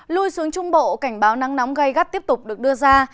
lui xuống trung bộ cảnh báo nắng nóng gai gắt tiếp tục được đưa ra